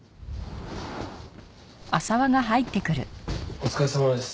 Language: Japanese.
お疲れさまです。